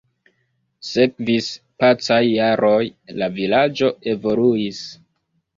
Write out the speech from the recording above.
Sekvis pacaj jaroj, la vilaĝo evoluis.